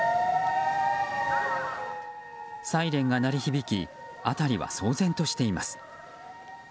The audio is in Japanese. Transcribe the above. サイレンが鳴り響き辺りは騒然としています。